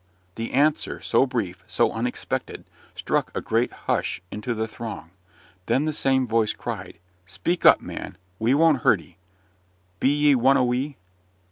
The answer, so brief, so unexpected, struck a great hush into the throng. Then the same voice cried "Speak up, man! we won't hurt 'ee! You be one o' we!"